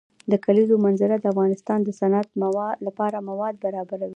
د کلیزو منظره د افغانستان د صنعت لپاره مواد برابروي.